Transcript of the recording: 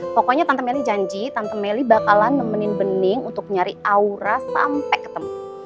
pokoknya tante melly janji tante meli bakalan nemenin bening untuk nyari aura sampai ketemu